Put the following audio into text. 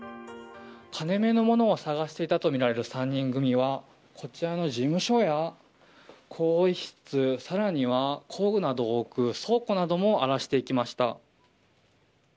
金目の物を探していたとみられる３人組はこちらの事務所や更衣室更には工具などを置く倉庫なども荒らしていきました。